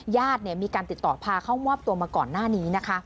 ญาติมีการติดต่อพาเข้ามอบตัวมาก่อนหน้านี้นะคะ